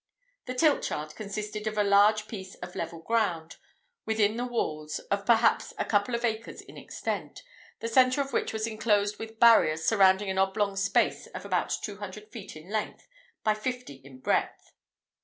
The tilt yard consisted of a large piece of level ground, within the walls, of perhaps a couple of acres in extent, the centre of which was enclosed with barriers surrounding an oblong space of about two hundred feet in length by fifty in breadth.